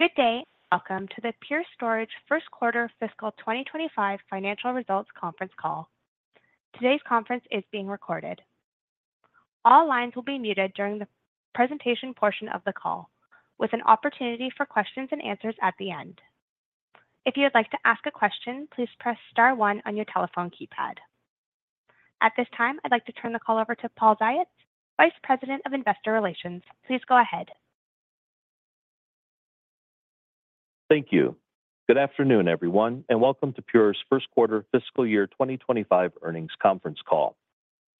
Good day, and welcome to the Pure Storage First Quarter Fiscal 2025 Financial Results Conference Call. Today's conference is being recorded. All lines will be muted during the presentation portion of the call, with an opportunity for questions and answers at the end. If you'd like to ask a question, please press star one on your telephone keypad. At this time, I'd like to turn the call over to Paul Ziots, Vice President of Investor Relations. Please go ahead. Thank you. Good afternoon, everyone, and welcome to Pure's First Quarter Fiscal Year 2025 Earnings Conference Call.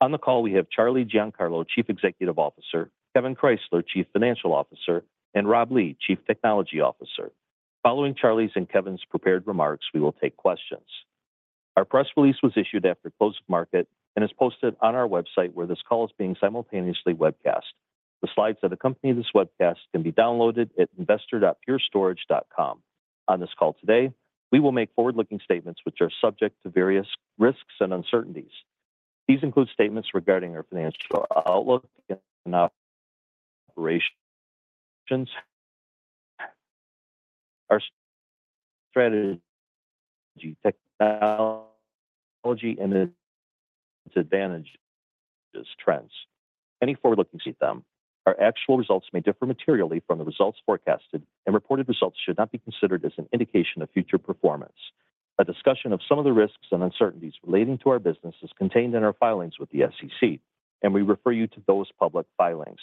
On the call, we have Charlie Giancarlo, Chief Executive Officer, Kevan Krysler, Chief Financial Officer, and Rob Lee, Chief Technology Officer. Following Charlie's and Kevan's prepared remarks, we will take questions. Our press release was issued after close of market and is posted on our website, where this call is being simultaneously webcast. The slides that accompany this webcast can be downloaded at investor.purestorage.com. On this call today, we will make forward-looking statements which are subject to various risks and uncertainties. These include statements regarding our financial outlook and operations, our strategy, technology, and the advantage trends. Any forward-looking statement, our actual results may differ materially from the results forecasted, and reported results should not be considered as an indication of future performance. A discussion of some of the risks and uncertainties relating to our business is contained in our filings with the SEC, and we refer you to those public filings.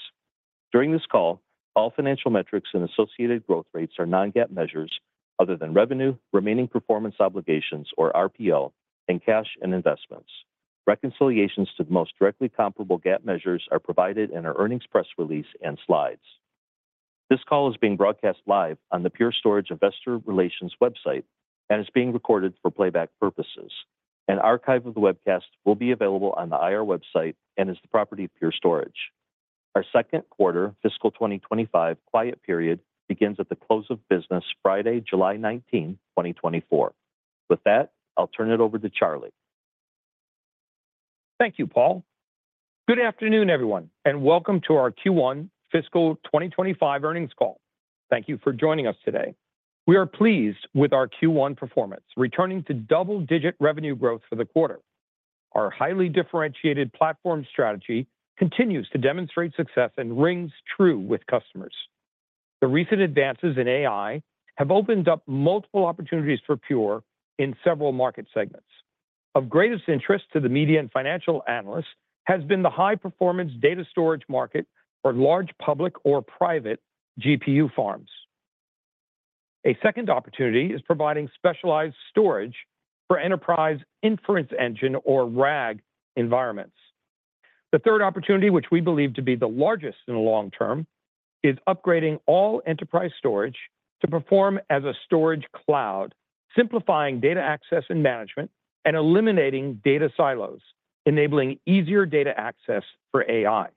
During this call, all financial metrics and associated growth rates are non-GAAP measures other than revenue, remaining performance obligations or RPO, and cash and investments. Reconciliations to the most directly comparable GAAP measures are provided in our earnings press release and slides. This call is being broadcast live on the Pure Storage Investor Relations website and is being recorded for playback purposes. An archive of the webcast will be available on the IR website and is the property of Pure Storage. Our second quarter fiscal 2025 quiet period begins at the close of business Friday, July 19, 2024. With that, I'll turn it over to Charlie. Thank you, Paul. Good afternoon, everyone, and welcome to our Q1 fiscal 2025 earnings call. Thank you for joining us today. We are pleased with our Q1 performance, returning to double-digit revenue growth for the quarter. Our highly differentiated platform strategy continues to demonstrate success and rings true with customers. The recent advances in AI have opened up multiple opportunities for Pure in several market segments. Of greatest interest to the media and financial analysts has been the high-performance data storage market for large, public or private GPU farms. A second opportunity is providing specialized storage for enterprise inference engine or RAG environments. The third opportunity, which we believe to be the largest in the long term, is upgrading all enterprise storage to perform as a storage cloud, simplifying data access and management and eliminating data silos, enabling easier data access for AI.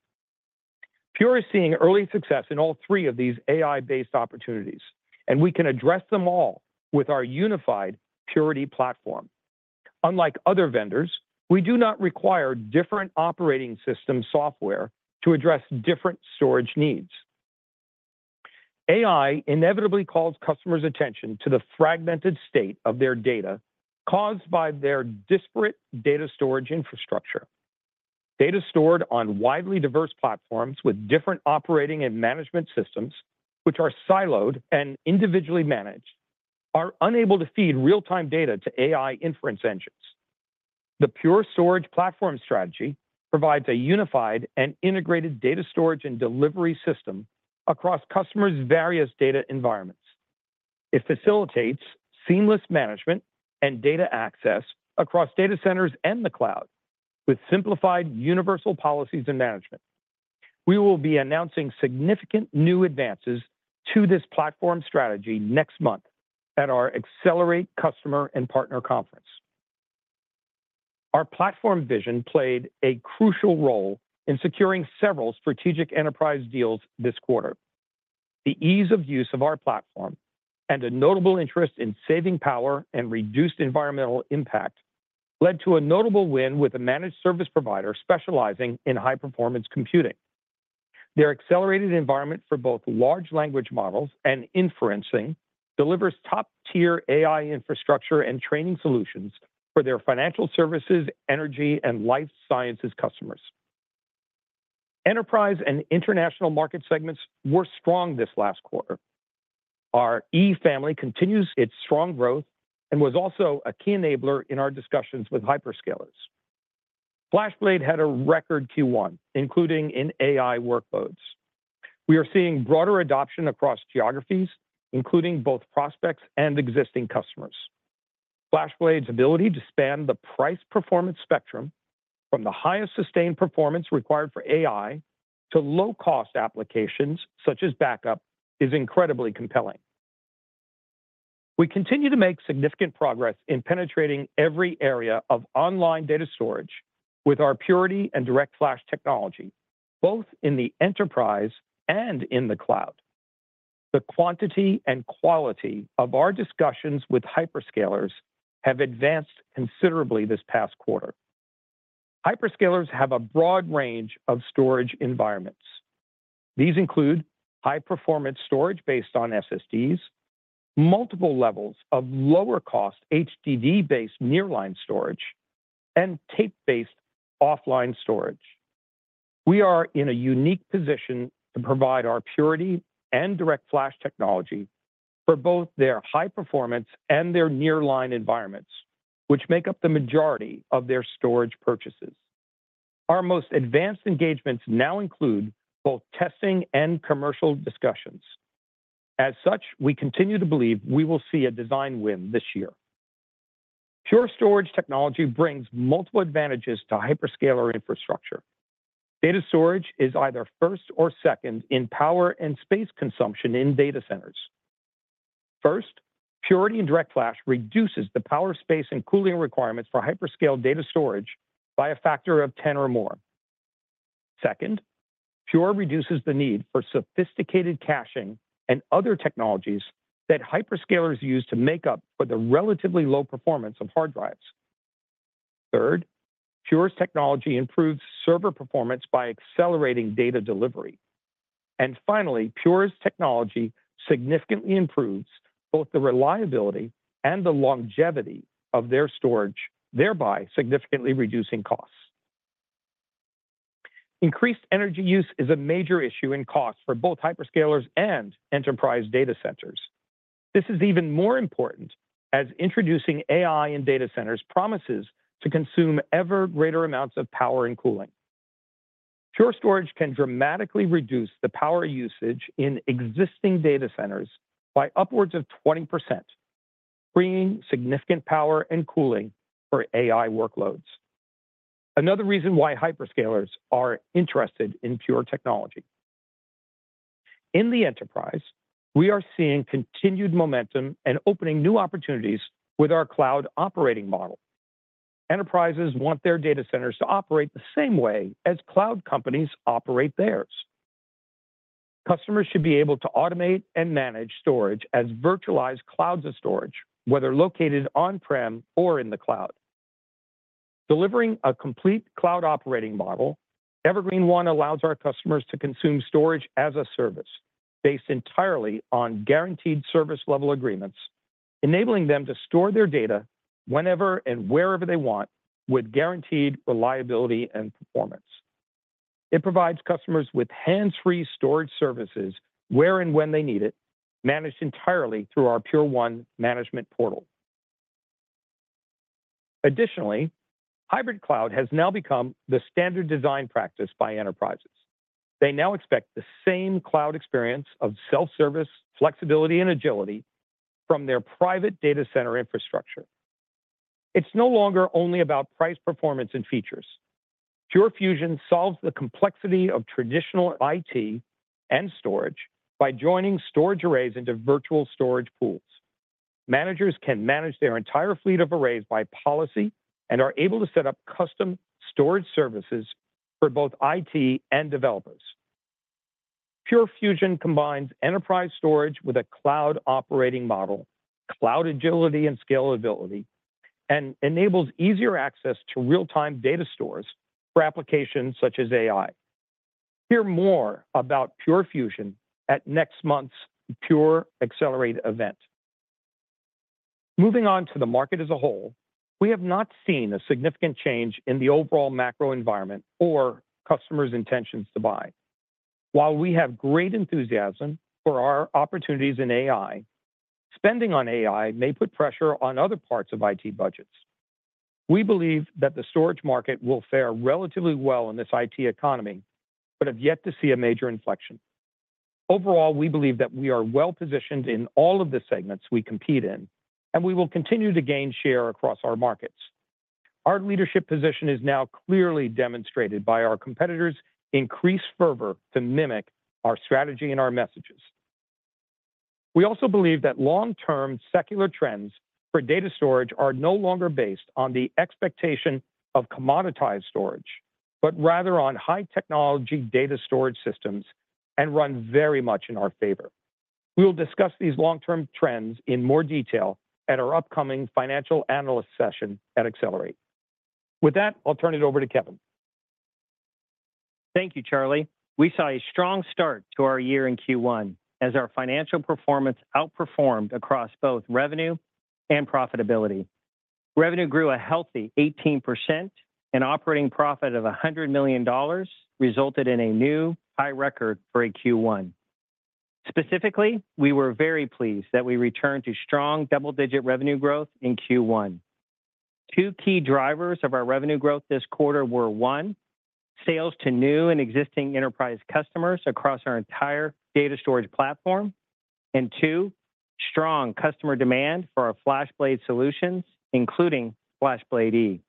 Pure Storage is seeing early success in all three of these AI-based opportunities, and we can address them all with our unified Purity platform. Unlike other vendors, we do not require different operating system software to address different storage needs. AI inevitably calls customers' attention to the fragmented state of their data caused by their disparate data storage infrastructure. Data stored on widely diverse platforms with different operating and management systems, which are siloed and individually managed, are unable to feed real-time data to AI inference engines. The Pure Storage platform strategy provides a unified and integrated data storage and delivery system across customers' various data environments. It facilitates seamless management and data access across data centers and the cloud, with simplified universal policies and management. We will be announcing significant new advances to this platform strategy next month at our Accelerate Customer and Partner Conference. Our platform vision played a crucial role in securing several strategic enterprise deals this quarter. The ease of use of our platform and a notable interest in saving power and reduced environmental impact led to a notable win with a managed service provider specializing in high-performance computing. Their accelerated environment for both large language models and inference delivers top-tier AI infrastructure and training solutions for their financial services, energy, and life sciences customers. Enterprise and international market segments were strong this last quarter. Our E family continues its strong growth and was also a key enabler in our discussions with hyperscalers. FlashBlade had a record Q1, including in AI workloads. We are seeing broader adoption across geographies, including both prospects and existing customers. FlashBlade's ability to span the price-performance spectrum from the highest sustained performance required for AI to low-cost applications such as backup, is incredibly compelling. We continue to make significant progress in penetrating every area of online data storage with our Purity and DirectFlash technology, both in the enterprise and in the cloud. The quantity and quality of our discussions with hyperscalers have advanced considerably this past quarter. Hyperscalers have a broad range of storage environments. These include high-performance storage based on SSDs, multiple levels of lower-cost HDD-based nearline storage, and tape-based offline storage. We are in a unique position to provide our Purity and DirectFlash technology for both their high performance and their nearline environments, which make up the majority of their storage purchases. Our most advanced engagements now include both testing and commercial discussions. As such, we continue to believe we will see a design win this year. Pure Storage technology brings multiple advantages to hyperscaler infrastructure. Data storage is either first or second in power and space consumption in data centers. First, Purity and DirectFlash reduces the power, space, and cooling requirements for hyperscale data storage by a factor of 10 or more. Second, Pure reduces the need for sophisticated caching and other technologies that hyperscalers use to make up for the relatively low performance of hard drives. Third, Pure's technology improves server performance by accelerating data delivery. And finally, Pure's technology significantly improves both the reliability and the longevity of their storage, thereby significantly reducing costs. Increased energy use is a major issue in cost for both hyperscalers and enterprise data centers. This is even more important as introducing AI in data centers promises to consume ever greater amounts of power and cooling. Pure Storage can dramatically reduce the power usage in existing data centers by upwards of 20%, bringing significant power and cooling for AI workloads. Another reason why hyperscalers are interested in Pure technology. In the enterprise, we are seeing continued momentum and opening new opportunities with our cloud operating model. Enterprises want their data centers to operate the same way as cloud companies operate theirs. Customers should be able to automate and manage storage as virtualized clouds of storage, whether located on-prem or in the cloud. Delivering a complete cloud operating model, Evergreen//One allows our customers to consume storage as a service based entirely on guaranteed service-level agreements, enabling them to store their data whenever and wherever they want with guaranteed reliability and performance. It provides customers with hands-free storage services where and when they need it, managed entirely through our Pure1 Management Portal. Additionally, hybrid cloud has now become the standard design practice by enterprises. They now expect the same cloud experience of self-service, flexibility, and agility from their private data center infrastructure. It's no longer only about price, performance, and features. Pure Fusion solves the complexity of traditional IT and storage by joining storage arrays into virtual storage pools. Managers can manage their entire fleet of arrays by policy and are able to set up custom storage services for both IT and developers. Pure Fusion combines enterprise storage with a cloud operating model, cloud agility and scalability, and enables easier access to real-time data stores for applications such as AI. Hear more about Pure Fusion at next month's Pure//Accelerate event. Moving on to the market as a whole, we have not seen a significant change in the overall macro environment or customers' intentions to buy. While we have great enthusiasm for our opportunities in AI, spending on AI may put pressure on other parts of IT budgets. We believe that the storage market will fare relatively well in this IT economy but have yet to see a major inflection. Overall, we believe that we are well-positioned in all of the segments we compete in, and we will continue to gain share across our markets. Our leadership position is now clearly demonstrated by our competitors' increased fervor to mimic our strategy and our messages. We also believe that long-term secular trends for data storage are no longer based on the expectation of commoditized storage, but rather on high-technology data storage systems and run very much in our favor. We will discuss these long-term trends in more detail at our upcoming financial analyst session at Accelerate. With that, I'll turn it over to Kevan. Thank you, Charlie. We saw a strong start to our year in Q1 as our financial performance outperformed across both revenue and profitability. Revenue grew a healthy 18%, and operating profit of $100 million resulted in a new high record for a Q1. Specifically, we were very pleased that we returned to strong double-digit revenue growth in Q1. Two key drivers of our revenue growth this quarter were, one, sales to new and existing enterprise customers across our entire data storage platform, and two, strong customer demand for our FlashBlade solutions, including FlashBlade//E.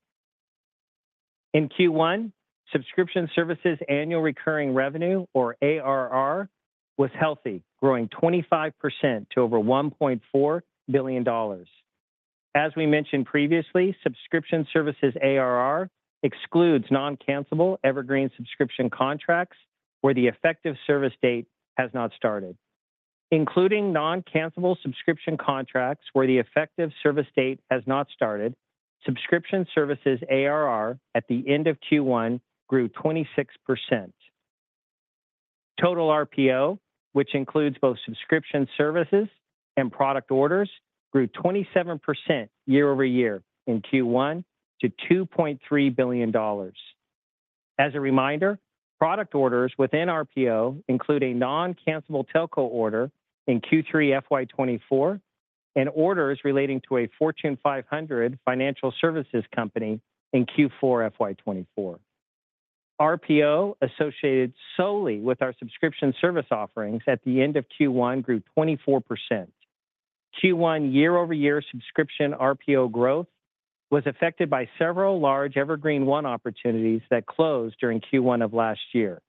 In Q1, subscription services annual recurring revenue, or ARR, was healthy, growing 25% to over $1.4 billion. As we mentioned previously, subscription services ARR excludes non-cancelable Evergreen subscription contracts where the effective service date has not started.... Including non-cancellable subscription contracts where the effective service date has not started, subscription services ARR at the end of Q1 grew 26%. Total RPO, which includes both subscription services and product orders, grew 27% year-over-year in Q1 to $2.3 billion. As a reminder, product orders within RPO include a non-cancellable telco order in Q3 FY 2024 and orders relating to a Fortune 500 financial services company in Q4 FY 2024. RPO, associated solely with our subscription service offerings at the end of Q1, grew 24%. Q1 year-over-year subscription RPO growth was affected by several large Evergreen//One opportunities that closed during Q1 of last year.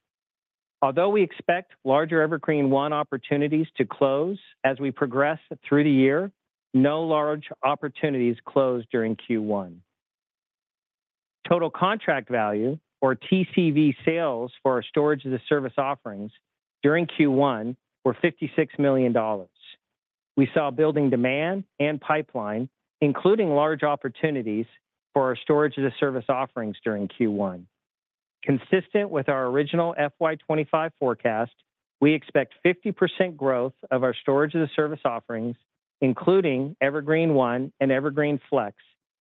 Although we expect larger Evergreen//One opportunities to close as we progress through the year, no large opportunities closed during Q1. Total contract value, or TCV sales, for our storage-as-a-service offerings during Q1 were $56 million. We saw building demand and pipeline, including large opportunities for our storage-as-a-service offerings during Q1. Consistent with our original FY 2025 forecast, we expect 50% growth of our storage-as-a-service offerings, including Evergreen//One and Evergreen//Flex,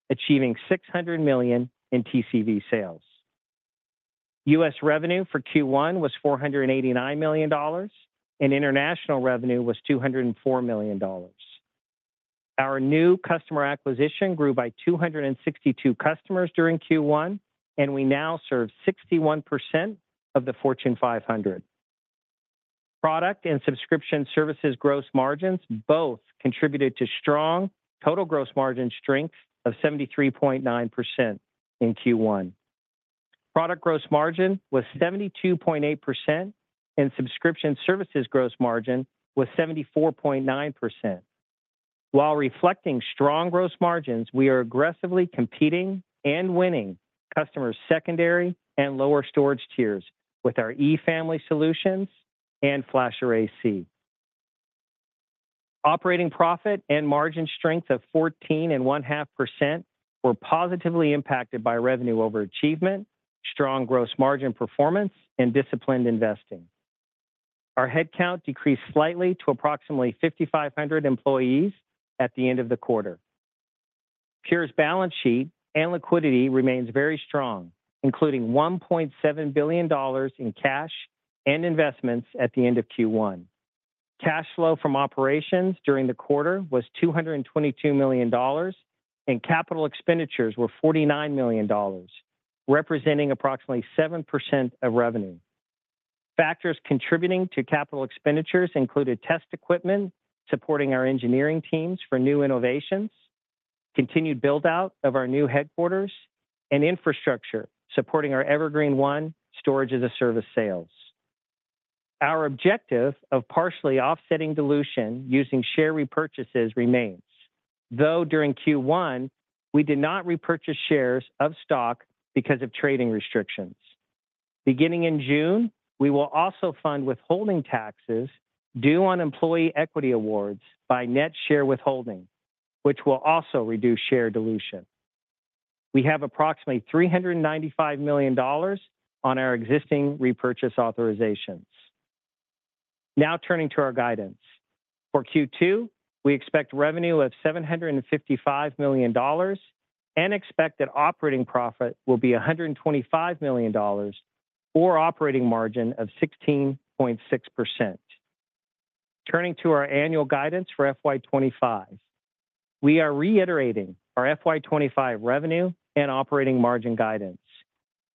achieving $600 million in TCV sales. revenue for Q1 was $489 million, and international revenue was $204 million. Our new customer acquisition grew by 262 customers during Q1, and we now serve 61% of the Fortune 500. Product and subscription services gross margins both contributed to strong total gross margin strength of 73.9% in Q1. Product gross margin was 72.8%, and subscription services gross margin was 74.9%. While reflecting strong gross margins, we are aggressively competing and winning customers' secondary and lower storage tiers with our E-family solutions and FlashArray//C. Operating profit and margin strength of 14.5% were positively impacted by revenue overachievement, strong gross margin performance, and disciplined investing. Our headcount decreased slightly to approximately 5,500 employees at the end of the quarter. Pure's balance sheet and liquidity remains very strong, including $1.7 billion in cash and investments at the end of Q1. Cash flow from operations during the quarter was $222 million, and capital expenditures were $49 million, representing approximately 7% of revenue. Factors contributing to capital expenditures included test equipment, supporting our engineering teams for new innovations, continued build-out of our new headquarters, and infrastructure supporting our Evergreen//One storage-as-a-service sales. Our objective of partially offsetting dilution using share repurchases remains, though during Q1, we did not repurchase shares of stock because of trading restrictions. Beginning in June, we will also fund withholding taxes due on employee equity awards by net share withholding, which will also reduce share dilution. We have approximately $395 million on our existing repurchase authorizations. Now turning to our guidance. For Q2, we expect revenue of $755 million and expect that operating profit will be $125 million or operating margin of 16.6%. Turning to our annual guidance for FY 2025, we are reiterating our FY 2025 revenue and operating margin guidance.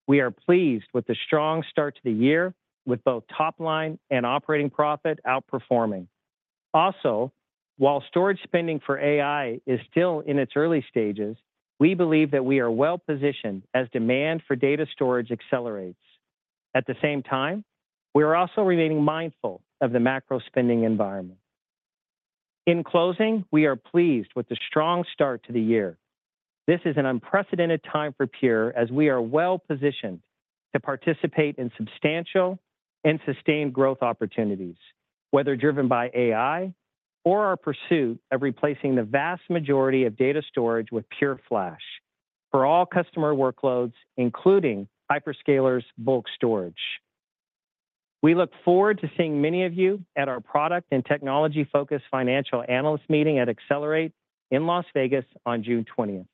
We are pleased with the strong start to the year, with both top line and operating profit outperforming. Also, while storage spending for AI is still in its early stages, we believe that we are well positioned as demand for data storage accelerates. At the same time, we are also remaining mindful of the macro spending environment. In closing, we are pleased with the strong start to the year. This is an unprecedented time for Pure, as we are well positioned to participate in substantial and sustained growth opportunities, whether driven by AI or our pursuit of replacing the vast majority of data storage with Pure Flash for all customer workloads, including hyperscalers bulk storage. We look forward to seeing many of you at our product and technology-focused financial analyst meeting at Accelerate in Las Vegas on June 20.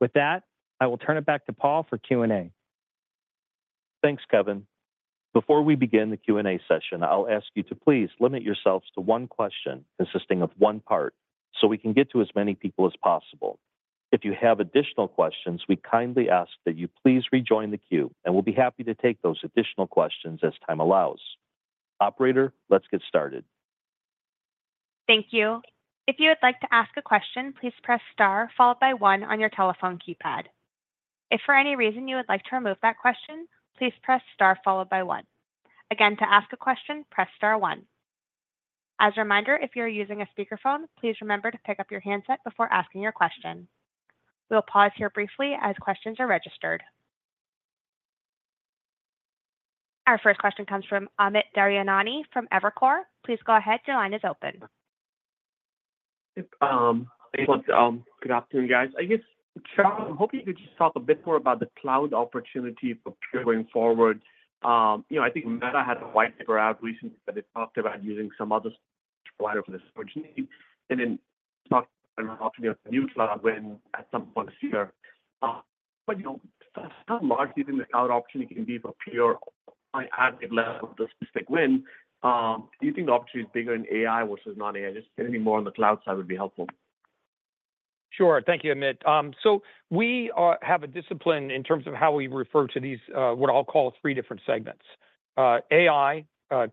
With that, I will turn it back to Paul for Q&A. Thanks, Kevan. Before we begin the Q&A session, I'll ask you to please limit yourselves to one question consisting of one part, so we can get to as many people as possible. If you have additional questions, we kindly ask that you please rejoin the queue, and we'll be happy to take those additional questions as time allows. Operator, let's get started. Thank you. If you would like to ask a question, please press star followed by one on your telephone keypad. If for any reason you would like to remove that question, please press star followed by one. Again, to ask a question, press star one. As a reminder, if you are using a speakerphone, please remember to pick up your handset before asking your question. We will pause here briefly as questions are registered. Our first question comes from Amit Daryanani from Evercore. Please go ahead, your line is open. Good afternoon, guys. I guess, Charlie, I'm hoping you could just talk a bit more about the cloud opportunity for Pure going forward. You know, I think Meta had a white paper out recently that it talked about using some other provider for the storage need, and then talked about offering a new cloud win at some point this year. But, you know, how large do you think the cloud opportunity can be for Pure by adding level of the specific win? Do you think the opportunity is bigger in AI versus non-AI? Just maybe more on the cloud side would be helpful. Sure. Thank you, Amit. So we have a discipline in terms of how we refer to these, what I'll call three different segments: AI,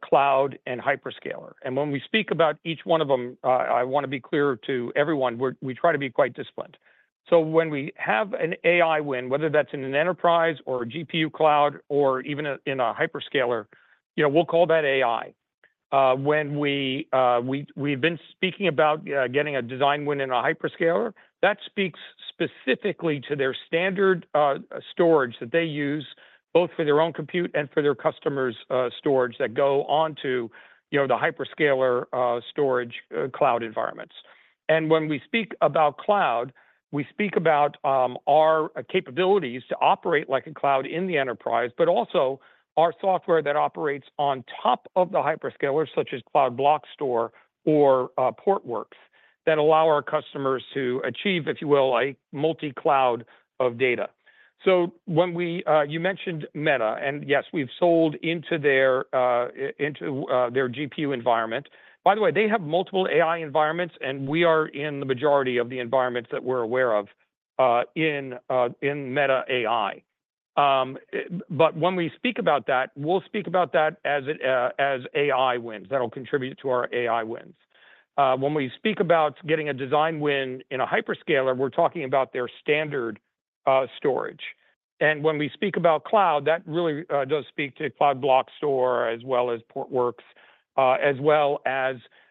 cloud, and hyperscaler. And when we speak about each one of them, I want to be clear to everyone, we try to be quite disciplined. So when we have an AI win, whether that's in an enterprise or a GPU cloud or even in a hyperscaler, you know, we'll call that AI. When we've been speaking about getting a design win in a hyperscaler, that speaks specifically to their standard storage that they use, both for their own compute and for their customers', storage that go on to, you know, the hyperscaler storage cloud environments. And when we speak about cloud, we speak about our capabilities to operate like a cloud in the enterprise, but also our software that operates on top of the hyperscalers, such as Cloud Block Store or Portworx, that allow our customers to achieve, if you will, a multi-cloud of data. So you mentioned Meta, and yes, we've sold into their into their GPU environment. By the way, they have multiple AI environments, and we are in the majority of the environments that we're aware of in Meta AI. But when we speak about that, we'll speak about that as it as AI wins, that'll contribute to our AI wins. When we speak about getting a design win in a hyperscaler, we're talking about their standard storage. When we speak about cloud, that really does speak to Cloud Block Store as well as Portworx,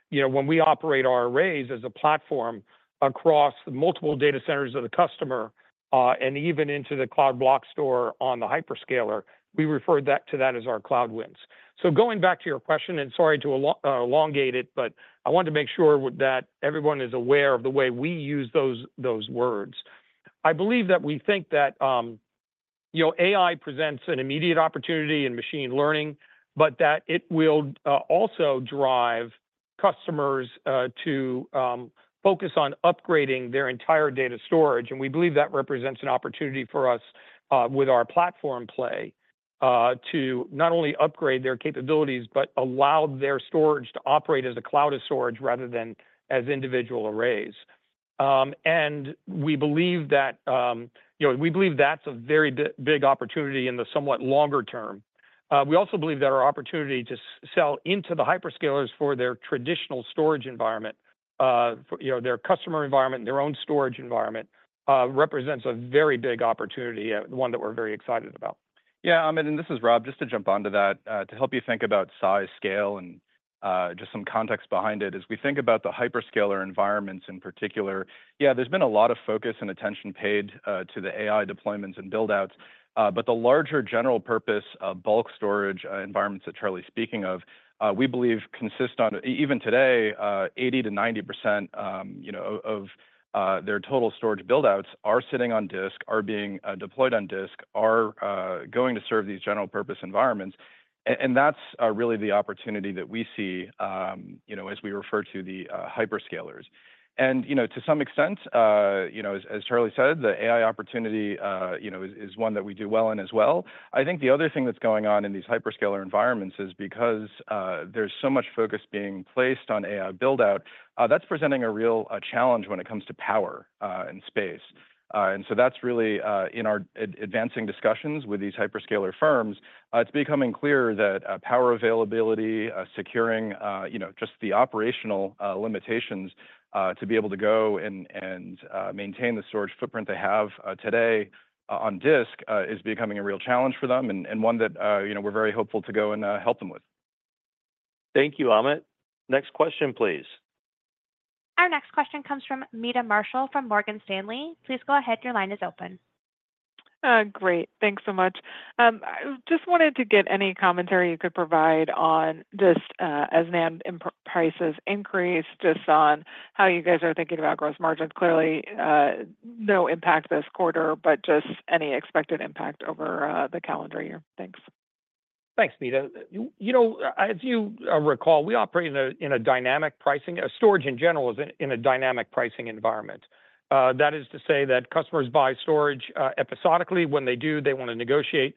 you know, when we operate our arrays as a platform across multiple data centers of the customer, and even into the Cloud Block Store on the hyperscaler, we refer to that as our cloud wins. So going back to your question, and sorry to elongate it, but I wanted to make sure that everyone is aware of the way we use those, those words. I believe that we think that, you know, AI presents an immediate opportunity in machine learning, but that it will also drive customers to focus on upgrading their entire data storage. We believe that represents an opportunity for us, with our platform play, to not only upgrade their capabilities, but allow their storage to operate as a cloud of storage, rather than as individual arrays. We believe that, you know, we believe that's a very big opportunity in the somewhat longer term. We also believe that our opportunity to sell into the hyperscalers for their traditional storage environment, you know, their customer environment, their own storage environment, represents a very big opportunity, one that we're very excited about. Yeah, Amit, and this is Rob, just to jump onto that, to help you think about size, scale, and just some context behind it. As we think about the hyperscaler environments in particular, yeah, there's been a lot of focus and attention paid to the AI deployments and build-outs, but the larger general purpose of bulk storage environments that Charlie's speaking of, we believe consist of even today, you know, of their total storage build-outs are sitting on disk, are being deployed on disk, are going to serve these general-purpose environments. And that's really the opportunity that we see, you know, as we refer to the hyperscalers. You know, to some extent, you know, as Charlie said, the AI opportunity, you know, is one that we do well in as well. I think the other thing that's going on in these hyperscaler environments is because there's so much focus being placed on AI build-out, that's presenting a real challenge when it comes to power and space. And so that's really in our advancing discussions with these hyperscaler firms, it's becoming clear that power availability, securing you know just the operational limitations to be able to go and maintain the storage footprint they have today, on disk, is becoming a real challenge for them, and one that, you know, we're very hopeful to go and help them with. Thank you, Amit. Next question, please. Our next question comes from Meta Marshall from Morgan Stanley. Please go ahead, your line is open. Great. Thanks so much. I just wanted to get any commentary you could provide on just, as NAND and prices increase, just on how you guys are thinking about gross margins. Clearly, no impact this quarter, but just any expected impact over, the calendar year. Thanks. Thanks, Meta. You know, as you recall, we operate in a dynamic pricing. Storage in general is in a dynamic pricing environment. That is to say that customers buy storage episodically. When they do, they want to negotiate.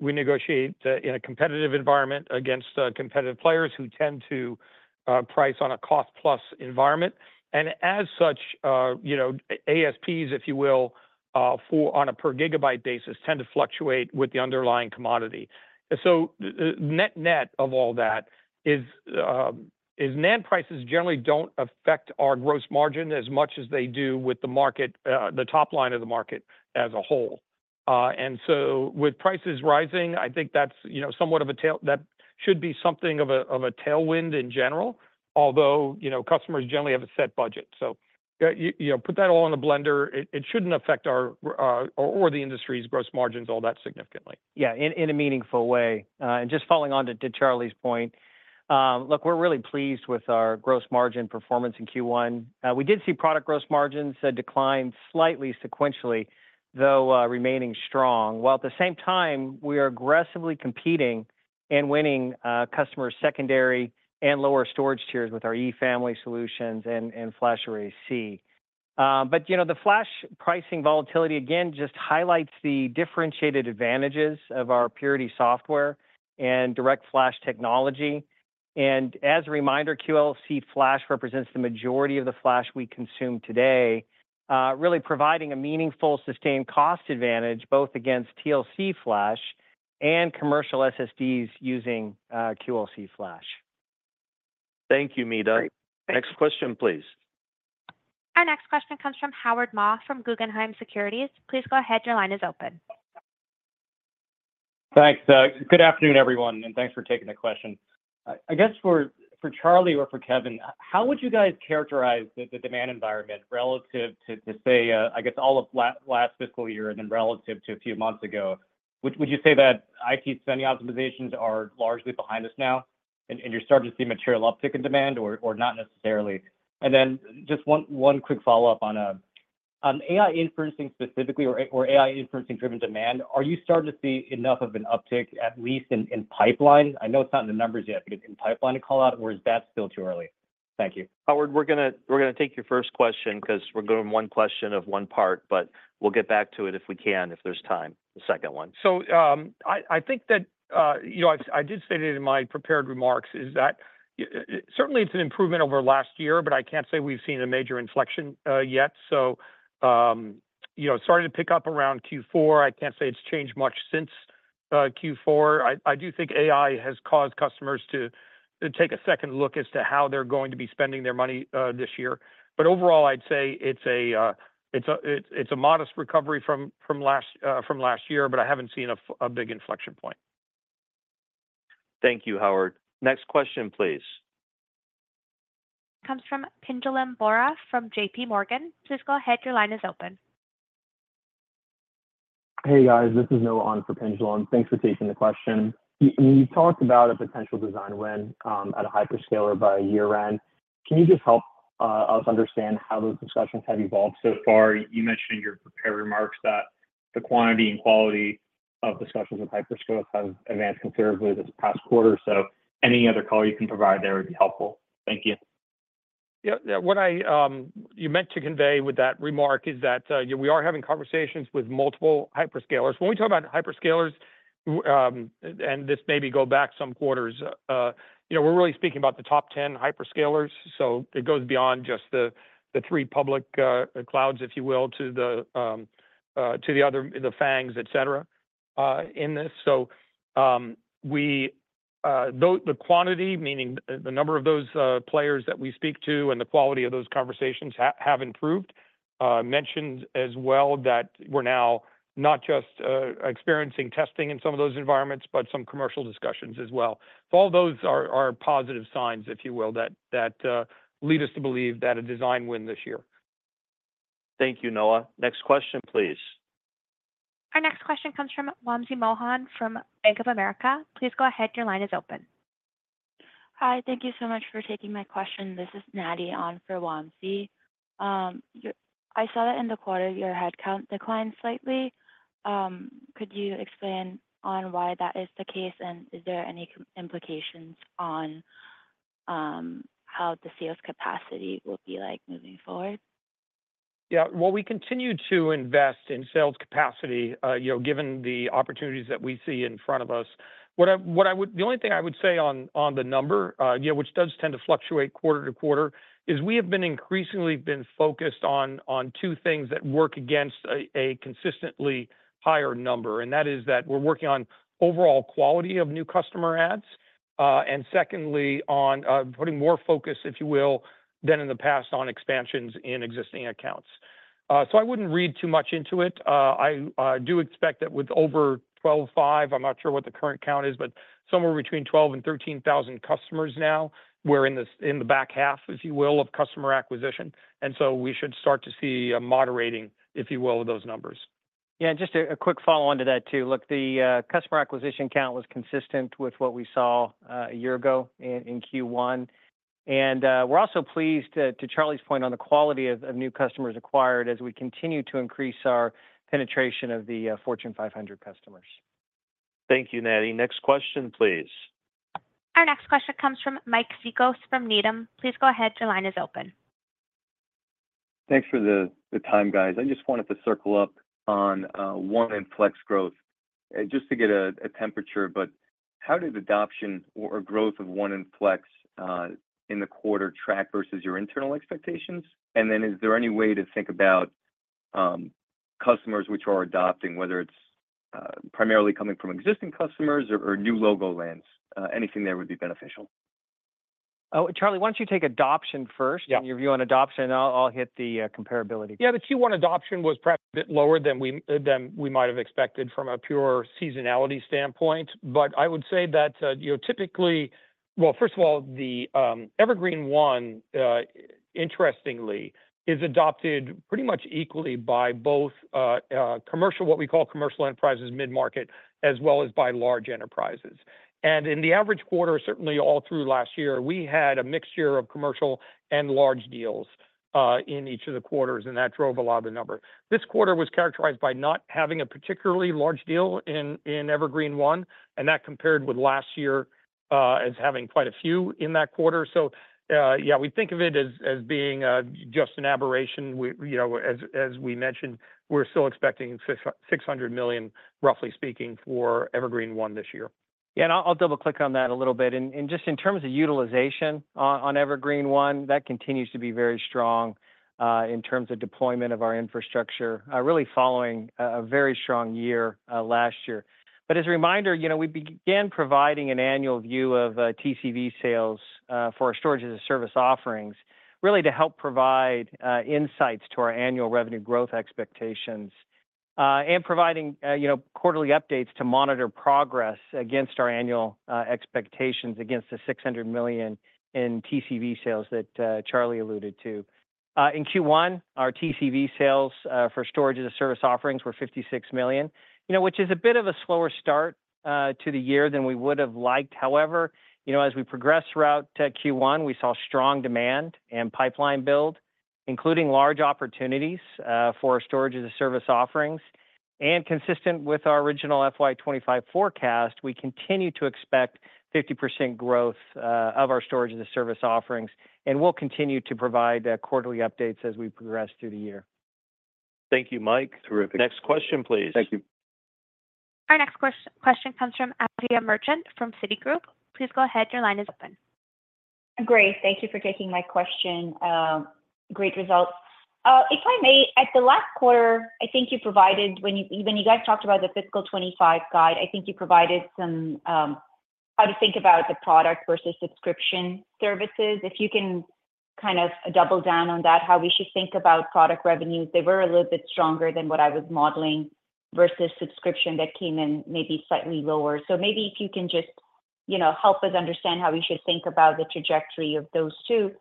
We negotiate in a competitive environment against competitive players who tend to price on a cost-plus environment. And as such, you know, ASPs, if you will, for on a per gigabyte basis, tend to fluctuate with the underlying commodity. So, net-net of all that is, NAND prices generally don't affect our gross margin as much as they do with the market, the top line of the market as a whole. And so with prices rising, I think that's, you know, somewhat of a tail- that-... should be something of a tailwind in general, although, you know, customers generally have a set budget. So you know, put that all in the blender, it shouldn't affect our or the industry's gross margins all that significantly. Yeah, in a meaningful way. And just following on to Charlie's point, look, we're really pleased with our gross margin performance in Q1. We did see product gross margins decline slightly sequentially, though remaining strong, while at the same time, we are aggressively competing and winning customer secondary and lower storage tiers with our E-family solutions and FlashArray//C. But you know, the flash pricing volatility again just highlights the differentiated advantages of our Purity software and DirectFlash technology. And as a reminder, QLC flash represents the majority of the flash we consume today, really providing a meaningful, sustained cost advantage, both against TLC flash and commercial SSDs using QLC flash. Thank yo`u, Meta. Great. Thanks. Next question, please. Our next question comes from Howard Ma, from Guggenheim Securities. Please go ahead, your line is open. Thanks, good afternoon, everyone, and thanks for taking the question. I guess for Charlie or for Kevan, how would you guys characterize the demand environment relative to, say, I guess, all of last fiscal year and then relative to a few months ago? Would you say that IT spending optimizations are largely behind us now, and you're starting to see material uptick in demand or not necessarily? And then just one quick follow-up on AI inferencing specifically, or AI inferencing-driven demand, are you starting to see enough of an uptick, at least in pipeline? I know it's not in the numbers yet, but in pipeline to call out, or is that still too early? Thank you. Howard, we're gonna take your first question 'cause we're going one question of one part, but we'll get back to it if we can, if there's time, the second one. I think that, you know, I did state it in my prepared remarks, is that certainly it's an improvement over last year, but I can't say we've seen a major inflection yet. So, you know, starting to pick up around Q4, I can't say it's changed much since Q4. I do think AI has caused customers to take a second look as to how they're going to be spending their money this year. But overall, I'd say it's a modest recovery from last year, but I haven't seen a big inflection point. Thank you, Howard. Next question, please. Comes from Pinjalim Bora from J.P. Morgan. Please go ahead, your line is open. Hey, guys, this is Noah on for Pinjalim. Thanks for taking the question. You talked about a potential design win at a hyperscaler by year-end. Can you just help us understand how those discussions have evolved so far? You mentioned in your prepared remarks that the quantity and quality of discussions with hyperscalers has advanced considerably this past quarter. So any other color you can provide there would be helpful. Thank you. Yeah, yeah, what I meant to convey with that remark is that we are having conversations with multiple hyperscalers. When we talk about hyperscalers, and this maybe go back some quarters, you know, we're really speaking about the top 10 hyperscalers, so it goes beyond just the three public clouds, if you will, to the other, the FANGs, et cetera, in this. So, the quantity, meaning the number of those players that we speak to and the quality of those conversations have improved. Mentioned as well that we're now not just experiencing testing in some of those environments, but some commercial discussions as well. So all those are positive signs, if you will, that lead us to believe that a design win this year. Thank you, Noah. Next question, please. Our next question comes from Wamsi Mohan from Bank of America. Please go ahead, your line is open. Hi, thank you so much for taking my question. This is Nati on for Wamsi. I saw that in the quarter, your headcount declined slightly. Could you explain on why that is the case, and is there any implications on how the sales capacity will be like moving forward? Yeah, well, we continue to invest in sales capacity, you know, given the opportunities that we see in front of us. What I, what I would, the only thing I would say on, on the number, you know, which does tend to fluctuate quarter to quarter, is we have been increasingly been focused on, on two things that work against a, a consistently higher number, and that is that we're working on overall quality of new customer adds, and secondly, on, putting more focus, if you will, on expansions in existing accounts. So I wouldn't read too much into it. I do expect that with over 12.5, I'm not sure what the current count is, but somewhere between 12 and 13 thousand customers now, we're in the back half, if you will, of customer acquisition, and so we should start to see a moderating, if you will, of those numbers. Yeah, and just a quick follow-on to that too. Look, the customer acquisition count was consistent with what we saw a year ago in Q1. And we're also pleased, to Charlie's point, on the quality of new customers acquired as we continue to increase our penetration of the Fortune 500 customers. Thank you, Nati. Next question, please. Our next question comes from Mike Cikos from Needham. Please go ahead, your line is open. Thanks for the time, guys. I just wanted to circle up on ONE and Flex growth, just to get a temperature. But how does adoption or growth of ONE and Flex in the quarter track versus your internal expectations? And then is there any way to think about customers which are adopting, whether it's primarily coming from existing customers or new logo lands? Anything there would be beneficial.... Oh, Charlie, why don't you take adoption first? Yeah. Give your view on adoption, and I'll hit the comparability. Yeah, the Q1 adoption was perhaps a bit lower than we, than we might have expected from a pure seasonality standpoint. But I would say that, you know, typically... Well, first of all, the, Evergreen//One, interestingly, is adopted pretty much equally by both, commercial, what we call commercial enterprises, mid-market, as well as by large enterprises. And in the average quarter, certainly all through last year, we had a mixture of commercial and large deals, in each of the quarters, and that drove a lot of the numbers. This quarter was characterized by not having a particularly large deal in, in Evergreen//One, and that compared with last year, as having quite a few in that quarter. So, yeah, we think of it as, as being, just an aberration. We, you know, as we mentioned, we're still expecting $600 million, roughly speaking, for Evergreen//One this year. Yeah, and I'll double-click on that a little bit. And just in terms of utilization on Evergreen//One, that continues to be very strong in terms of deployment of our infrastructure, really following a very strong year last year. But as a reminder, you know, we began providing an annual view of TCV sales for our storage as a service offerings, really to help provide insights to our annual revenue growth expectations, and providing, you know, quarterly updates to monitor progress against our annual expectations, against the $600 million in TCV sales that Charlie alluded to. In Q1, our TCV sales for storage as a service offerings were $56 million, you know, which is a bit of a slower start to the year than we would have liked. However, you know, as we progressed throughout Q1, we saw strong demand and pipeline build, including large opportunities for our storage as a service offerings. Consistent with our original FY 2025 forecast, we continue to expect 50% growth of our storage as a service offerings, and we'll continue to provide quarterly updates as we progress through the year. Thank you, Mike. Terrific. Next question, please. Thank you. Our next question comes from Asiya Merchant from Citigroup. Please go ahead. Your line is open. Great. Thank you for taking my question. Great results. If I may, at the last quarter, I think you provided when you guys talked about the fiscal 2025 guide, I think you provided some how to think about the product versus subscription services. If you can kind of double down on that, how we should think about product revenues, they were a little bit stronger than what I was modeling versus subscription that came in maybe slightly lower. So maybe if you can just, you know, help us understand how we should think about the trajectory of those two,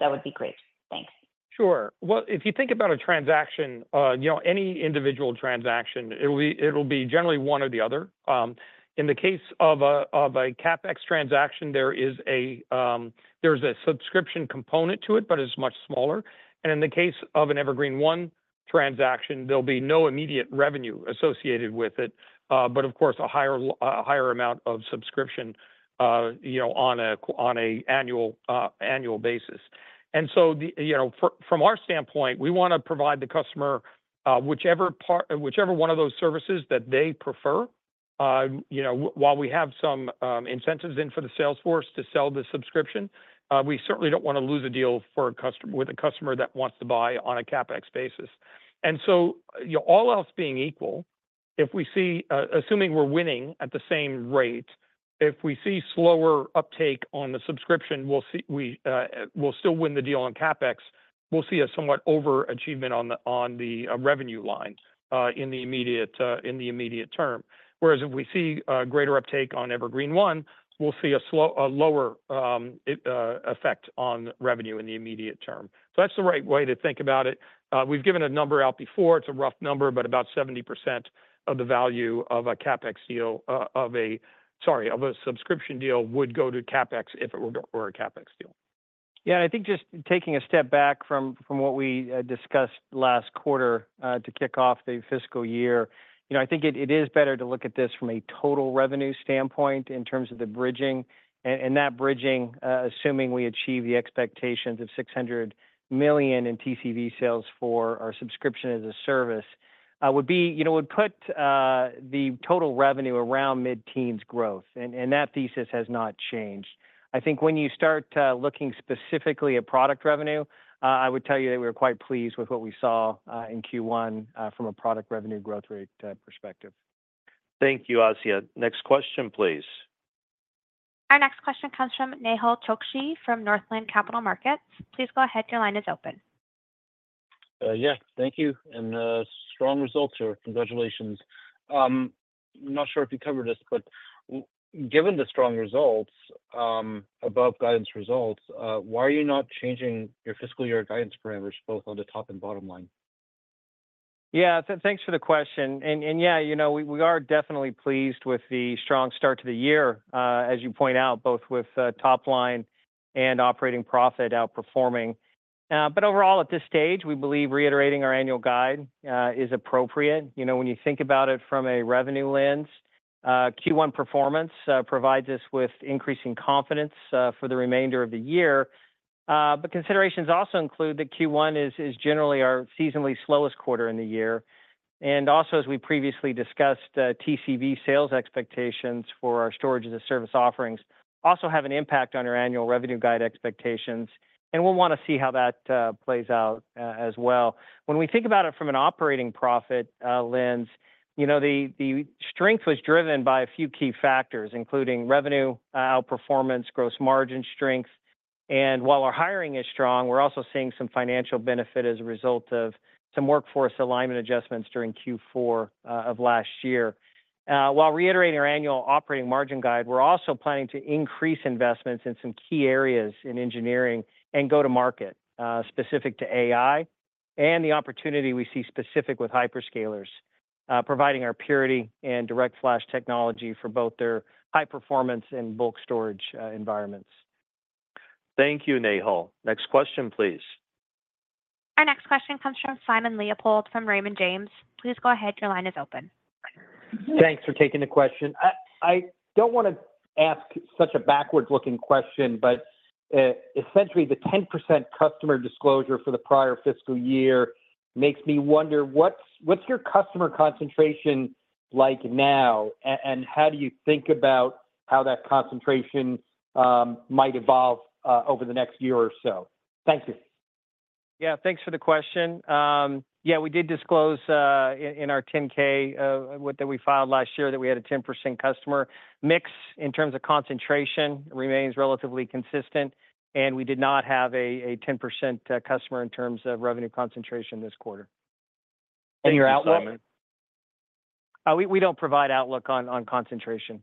that would be great. Thanks. Sure. Well, if you think about a transaction, you know, any individual transaction, it'll be generally one or the other. In the case of a CapEx transaction, there is a subscription component to it, but it's much smaller. And in the case of an Evergreen//One transaction, there'll be no immediate revenue associated with it, but of course, a higher amount of subscription, you know, on an annual basis. And so, you know, from our standpoint, we want to provide the customer whichever one of those services that they prefer. You know, while we have some incentives in for the sales force to sell the subscription, we certainly don't want to lose a deal with a customer that wants to buy on a CapEx basis. And so, you know, all else being equal, if we see assuming we're winning at the same rate, if we see slower uptake on the subscription, we'll see we'll still win the deal on CapEx. We'll see a somewhat overachievement on the revenue line in the immediate term. Whereas if we see a greater uptake on Evergreen//One, we'll see a lower effect on revenue in the immediate term. So that's the right way to think about it. We've given a number out before. It's a rough number, but about 70% of the value of a CapEx deal, of a subscription deal, would go to CapEx if it were a CapEx deal. Yeah, and I think just taking a step back from what we discussed last quarter to kick off the fiscal year, you know, I think it is better to look at this from a total revenue standpoint in terms of the bridging. And that bridging, assuming we achieve the expectations of $600 million in TCV sales for our subscription as a service, would be, you know, would put the total revenue around mid-teens growth, and that thesis has not changed. I think when you start looking specifically at product revenue, I would tell you that we're quite pleased with what we saw in Q1 from a product revenue growth rate perspective. Thank you, Asiya. Next question, please. Our next question comes from Nehal Chokshi, from Northland Capital Markets. Please go ahead. Your line is open. Yeah, thank you, and strong results here. Congratulations. Not sure if you covered this, but given the strong results, above guidance results, why are you not changing your fiscal year guidance parameters, both on the top and bottom line? Yeah, thanks for the question. And, yeah, you know, we are definitely pleased with the strong start to the year, as you point out, both with top line and operating profit outperforming. But overall, at this stage, we believe reiterating our annual guide is appropriate. You know, when you think about it from a revenue lens, Q1 performance provides us with increasing confidence for the remainder of the year. But considerations also include that Q1 is generally our seasonally slowest quarter in the year. And also, as we previously discussed, TCV sales expectations for our storage as a service offerings also have an impact on our annual revenue guide expectations, and we'll want to see how that plays out as well. When we think about it from an operating profit lens, you know, the strength was driven by a few key factors, including revenue outperformance, gross margin strength. And while our hiring is strong, we're also seeing some financial benefit as a result of some workforce alignment adjustments during Q4 of last year. While reiterating our annual operating margin guide, we're also planning to increase investments in some key areas in engineering and go-to-market specific to AI, and the opportunity we see specific with hyperscalers, providing our Purity and DirectFlash technology for both their high performance and bulk storage environments. Thank you, Nehal. Next question, please. Our next question comes from Simon Leopold, from Raymond James. Please go ahead, your line is open. Thanks for taking the question. I don't want to ask such a backwards-looking question, but essentially, the 10% customer disclosure for the prior fiscal year makes me wonder, what's your customer concentration like now? And how do you think about how that concentration might evolve over the next year or so? Thank you. Yeah, thanks for the question. Yeah, we did disclose in our 10-K that we had a 10% customer. Mix, in terms of concentration, remains relatively consistent, and we did not have a 10% customer in terms of revenue concentration this quarter. Your outlook? We don't provide outlook on concentration.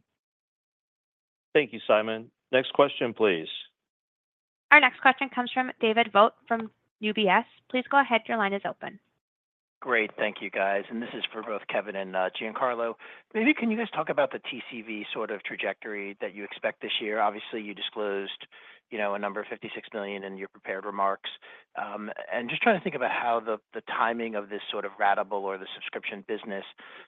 Thank you, Simon. Next question, please. Our next question comes from David Vogt, from UBS. Please go ahead, your line is open. Great. Thank you, guys, and this is for both Kevan and, Giancarlo. Maybe can you guys talk about the TCV sort of trajectory that you expect this year? Obviously, you disclosed, you know, a number of $56 million in your prepared remarks. And just trying to think about how the timing of this sort of ratable or the subscription business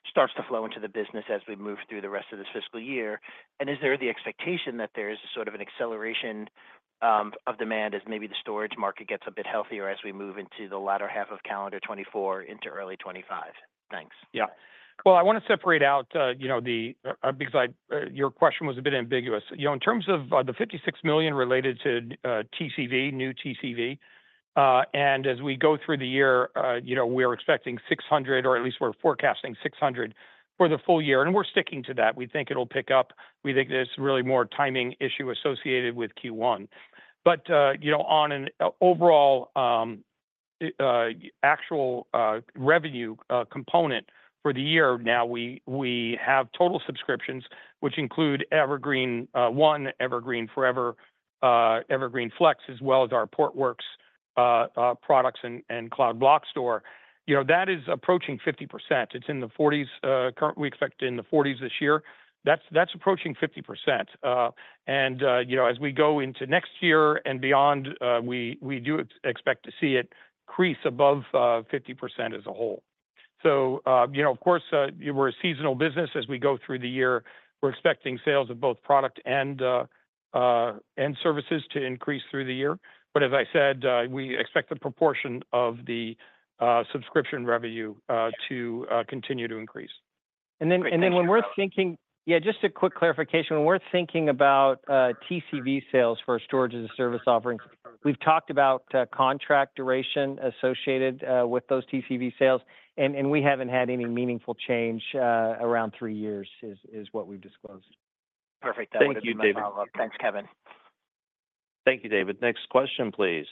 starts to flow into the business as we move through the rest of this fiscal year. And is there the expectation that there is sort of an acceleration of demand as maybe the storage market gets a bit healthier as we move into the latter half of calendar 2024 into early 2025? Thanks. Yeah. Well, I want to separate out, you know, the because your question was a bit ambiguous. You know, in terms of, the $56 million related to TCV, new TCV, and as we go through the year, you know, we are expecting 600, or at least we're forecasting 600 for the full year, and we're sticking to that. We think it'll pick up. We think there's really more timing issue associated with Q1. But, you know, on an overall, actual revenue component for the year, now we, we have total subscriptions, which include Evergreen//One, Evergreen//Forever, Evergreen//Flex, as well as our Portworx products and Cloud Block Store. You know, that is approaching 50%. It's in the 40s, currently, we expect in the 40s this year. That's approaching 50%. And you know, as we go into next year and beyond, we do expect to see it increase above 50% as a whole. So you know, of course, we're a seasonal business. As we go through the year, we're expecting sales of both product and services to increase through the year. But as I said, we expect the proportion of the subscription revenue to continue to increase. And then when we're thinking... Yeah, just a quick clarification. When we're thinking about TCV sales for a storage as a service offerings, we've talked about contract duration associated with those TCV sales, and we haven't had any meaningful change around three years, is what we've disclosed. Perfect. Thank you, David. Thanks, Kevan. Thank you, David. Next question, please.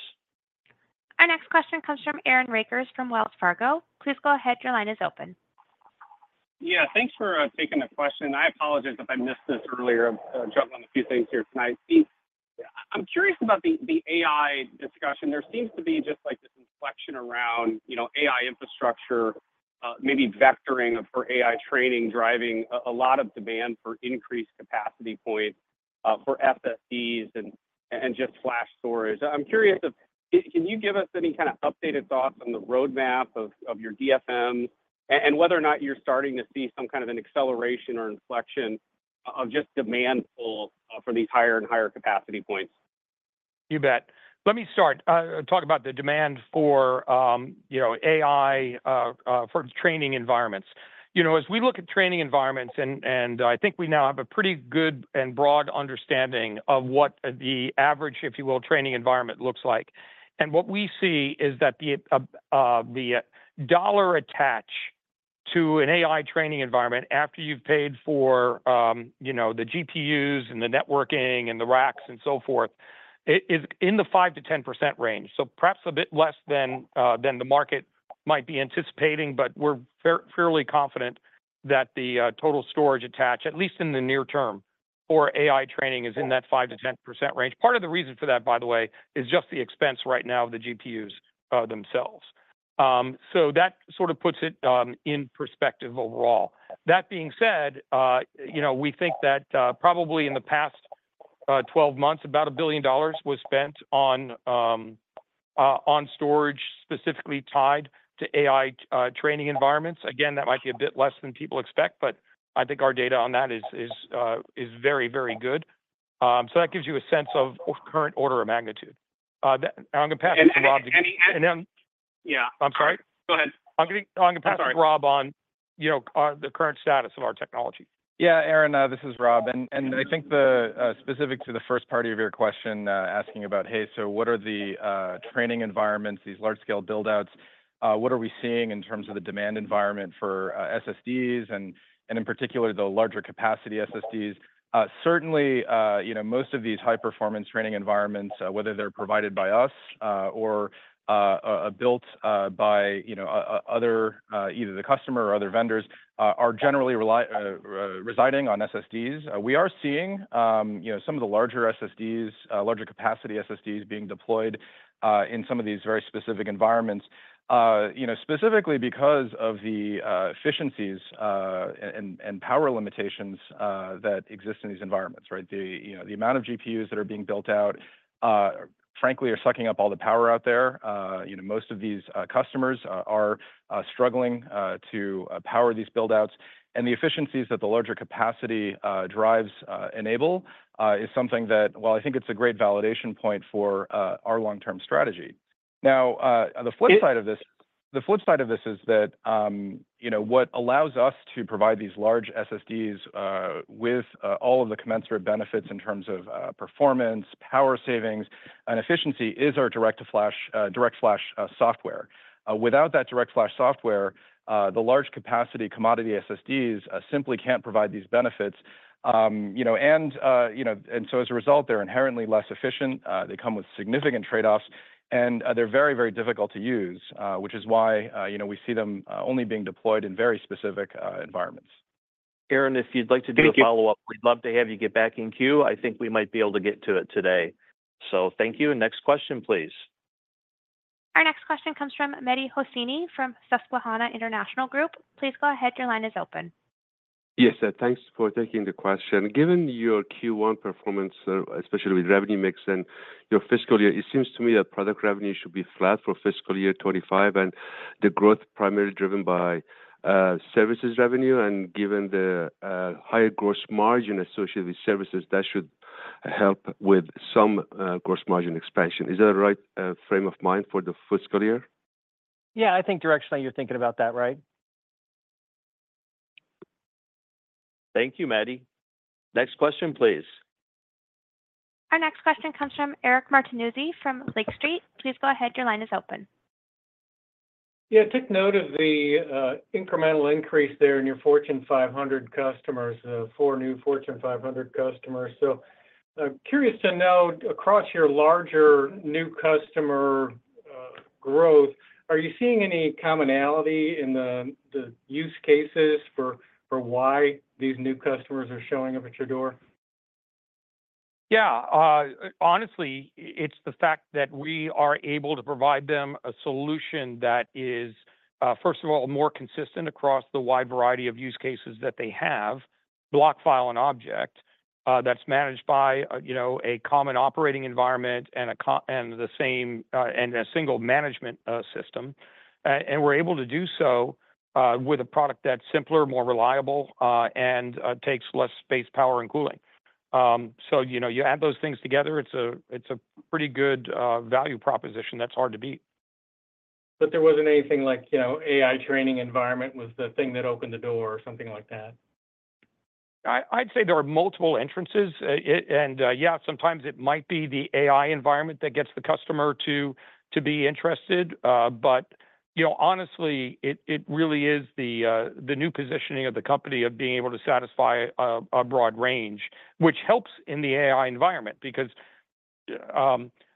Our next question comes from Aaron Rakers, from Wells Fargo. Please go ahead, your line is open. Yeah, thanks for taking the question, and I apologize if I missed this earlier. I'm juggling a few things here tonight. I'm curious about the AI discussion. There seems to be just like this inflection around, you know, AI infrastructure, maybe vectoring for AI training, driving a lot of demand for increased capacity points for FSPs and just flash storage. I'm curious if, can you give us any kind of updated thoughts on the roadmap of your DFM, and whether or not you're starting to see some kind of an acceleration or inflection of just demand pull for these higher and higher capacity points? You bet. Let me start, talk about the demand for, you know, AI, for training environments. You know, as we look at training environments, and I think we now have a pretty good and broad understanding of what the average, if you will, training environment looks like. And what we see is that the dollar attach to an AI training environment after you've paid for, you know, the GPUs, and the networking, and the racks, and so forth, it is in the 5%-10% range. So perhaps a bit less than the market might be anticipating, but we're fairly confident that the total storage attach, at least in the near term, for AI training is in that 5%-10% range. Part of the reason for that, by the way, is just the expense right now of the GPUs themselves. So that sort of puts it in perspective overall. That being said, you know, we think that probably in the past 12 months, about $1 billion was spent on storage, specifically tied to AI training environments. Again, that might be a bit less than people expect, but I think our data on that is very, very good. So that gives you a sense of current order of magnitude. I'm gonna pass this to Rob- And any- And then- Yeah. I'm sorry? Go ahead. I'm gonna pass to Rob, you know, the current status of our technology. Yeah, Aaron, this is Rob, and I think the specific to the first part of your question, asking about, hey, so what are the training environments, these large-scale build-outs? What are we seeing in terms of the demand environment for SSDs and in particular, the larger capacity SSDs? Certainly, you know, most of these high-performance training environments, whether they're provided by us, or built by, you know, other either the customer or other vendors, are generally rely residing on SSDs. We are seeing, you know, some of the larger SSDs, larger capacity SSDs being deployed in some of these very specific environments. You know, specifically because of the efficiencies and power limitations that exist in these environments, right? You know, the amount of GPUs that are being built out, frankly, are sucking up all the power out there. You know, most of these customers are struggling to power these build-outs. And the efficiencies that the larger capacity drives enable is something that, well, I think it's a great validation point for our long-term strategy. Now, the flip side of this- It- The flip side of this is that, you know, what allows us to provide these large SSDs with all of the commensurate benefits in terms of performance, power savings, and efficiency is our DirectFlash software. Without that DirectFlash software, the large capacity commodity SSDs simply can't provide these benefits. You know, and, you know, and so as a result, they're inherently less efficient, they come with significant trade-offs, and, they're very, very difficult to use, which is why, you know, we see them only being deployed in very specific environments. Aaron, if you'd like to do a follow-up- Thank you. We'd love to have you get back in queue. I think we might be able to get to it today. So thank you. Next question, please. Our next question comes from Mehdi Hosseini, from Susquehanna International Group. Please go ahead. Your line is open. Yes, sir. Thanks for taking the question. Given your Q1 performance, especially with revenue mix and your fiscal year, it seems to me that product revenue should be flat for fiscal year 25, and the growth primarily driven by, services revenue, and given the, higher gross margin associated with services, that should help with some, gross margin expansion. Is that a right, frame of mind for the fiscal year? Yeah, I think directionally, you're thinking about that right. Thank you, Mehdi. Next question, please. Our next question comes from Eric Martinuzzi from Lake Street. Please go ahead. Your line is open. Yeah, took note of the incremental increase there in your Fortune 500 customers, four new Fortune 500 customers. So I'm curious to know, across your larger new customer growth, are you seeing any commonality in the, the use cases for, for why these new customers are showing up at your door? Yeah, honestly, it's the fact that we are able to provide them a solution that is, first of all, more consistent across the wide variety of use cases that they have, block, file, and object, that's managed by, you know, a common operating environment and the same, and a single management system. And we're able to do so, with a product that's simpler, more reliable, and takes less space, power, and cooling. So, you know, you add those things together, it's a, it's a pretty good value proposition that's hard to beat. There wasn't anything like, you know, AI training environment was the thing that opened the door or something like that? I'd say there are multiple entrances. Yeah, sometimes it might be the AI environment that gets the customer to be interested, but you know, honestly, it really is the new positioning of the company of being able to satisfy a broad range, which helps in the AI environment. Because you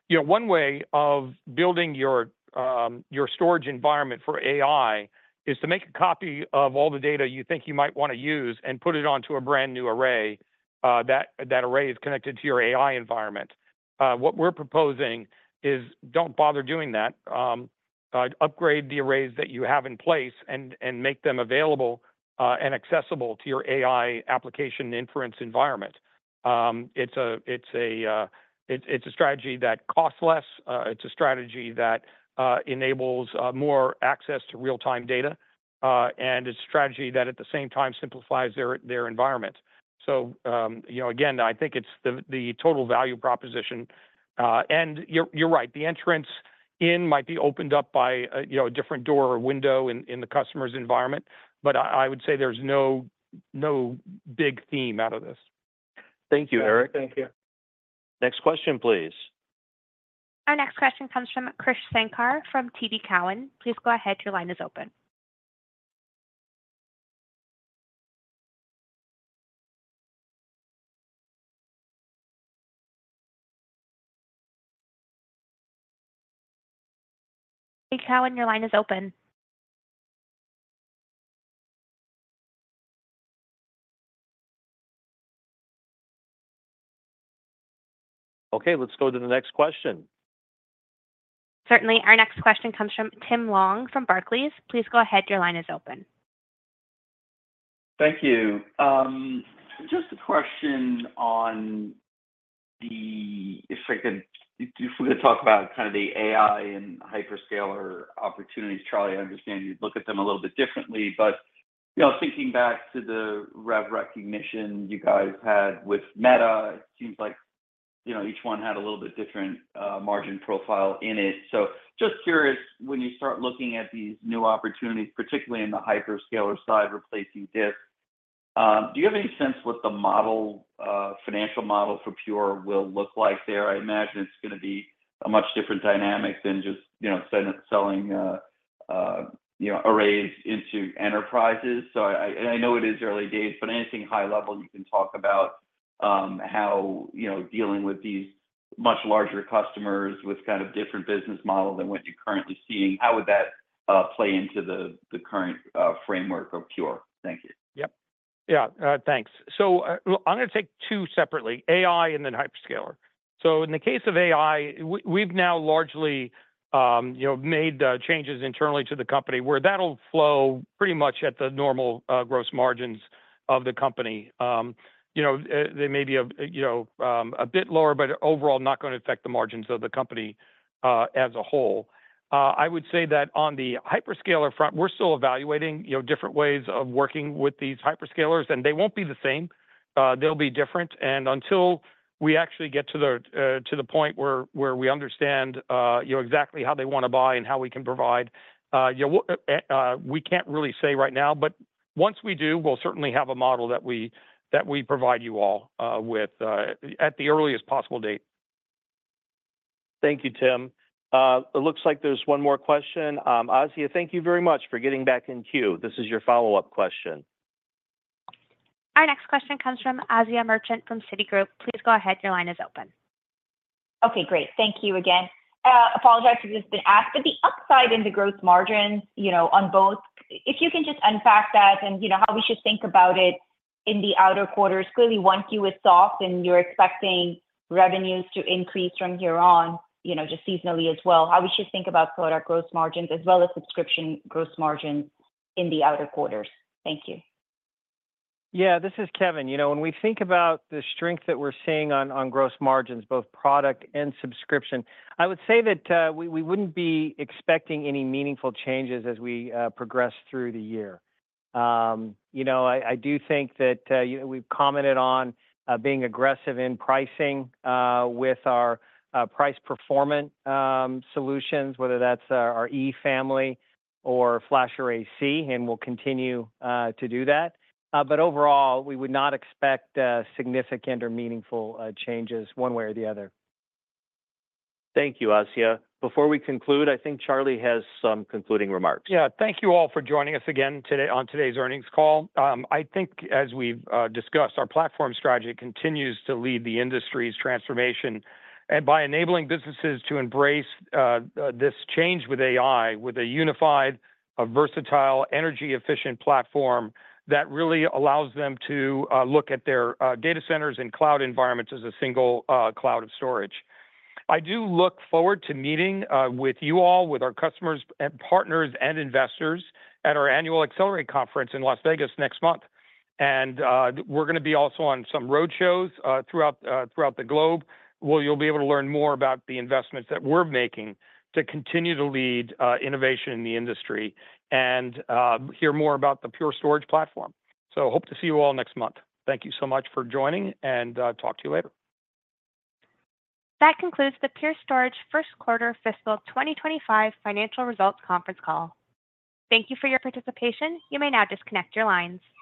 know, one way of building your storage environment for AI is to make a copy of all the data you think you might wanna use and put it onto a brand-new array. That array is connected to your AI environment. What we're proposing is don't bother doing that, upgrade the arrays that you have in place and make them available and accessible to your AI application inference environment. It's a strategy that costs less, it's a strategy that enables more access to real-time data, and it's a strategy that at the same time simplifies their environment. So, you know, again, I think it's the total value proposition. And you're right, the entrance in might be opened up by a, you know, a different door or window in the customer's environment, but I would say there's no big theme out of this. Thank you, Eric. Thank you. Next question, please. Our next question comes from Krish Sankar, from TD Cowen. Please go ahead. Your line is open. Krish Cowen, your line is open. Okay, let's go to the next question. Certainly. Our next question comes from Tim Long, from Barclays. Please go ahead. Your line is open. Thank you. Just a question on the. If I could, if we could talk about kind of the AI and hyperscaler opportunities. Charlie, I understand you'd look at them a little bit differently, but, you know, thinking back to the rev recognition you guys had with Meta, it seems like you know, each one had a little bit different, margin profile in it. So just curious, when you start looking at these new opportunities, particularly in the hyperscaler side, replacing disk, do you have any sense what the model, financial model for Pure will look like there? I imagine it's gonna be a much different dynamic than just, you know, selling, you know, arrays into enterprises. So, I know it is early days, but anything high level you can talk about, how, you know, dealing with these much larger customers with kind of different business model than what you're currently seeing, how would that play into the current framework of Pure? Thank you. Yep. Yeah, thanks. So, well, I'm gonna take two separately, AI and then hyperscaler. So in the case of AI, we've now largely, you know, made changes internally to the company, where that'll flow pretty much at the normal, gross margins of the company. You know, they may be of, you know, a bit lower, but overall not gonna affect the margins of the company, as a whole. I would say that on the hyperscaler front, we're still evaluating, you know, different ways of working with these hyperscalers, and they won't be the same, they'll be different. Until we actually get to the point where we understand, you know, exactly how they wanna buy and how we can provide, you know, we can't really say right now, but once we do, we'll certainly have a model that we provide you all with at the earliest possible date. Thank you, Tim. It looks like there's one more question. Asiya, thank you very much for getting back in queue. This is your follow-up question. Our next question comes from Asiya Merchant from Citigroup. Please go ahead, your line is open. Okay, great. Thank you again. Apologize if this has been asked, but the upside in the gross margins, you know, on both, if you can just unpack that, and, you know, how we should think about it in the outer quarters. Clearly, 1Q is soft, and you're expecting revenues to increase from here on, you know, just seasonally as well. How we should think about product gross margins, as well as subscription gross margins in the outer quarters? Thank you. Yeah, this is Kevan. You know, when we think about the strength that we're seeing on, on gross margins, both product and subscription, I would say that, we, we wouldn't be expecting any meaningful changes as we, progress through the year. You know, I, I do think that, we've commented on, being aggressive in pricing, with our, price performance, solutions, whether that's our E family or FlashArray//C, and we'll continue, to do that. But overall, we would not expect, significant or meaningful, changes one way or the other. Thank you, Asiya. Before we conclude, I think Charlie has some concluding remarks. Yeah. Thank you all for joining us again today on today's earnings call. I think as we've discussed, our platform strategy continues to lead the industry's transformation, and by enabling businesses to embrace this change with AI, with a unified, a versatile, energy-efficient platform, that really allows them to look at their data centers and cloud environments as a single cloud of storage. I do look forward to meeting with you all, with our customers, and partners, and investors at our annual Accelerate Conference in Las Vegas next month. And, we're gonna be also on some road shows throughout the globe, where you'll be able to learn more about the investments that we're making to continue to lead innovation in the industry and hear more about the Pure Storage platform. So, hope to see you all next month. Thank you so much for joining, and talk to you later. That concludes the Pure Storage First Quarter Fiscal 2025 Financial Results Conference Call. Thank you for your participation. You may now disconnect your lines.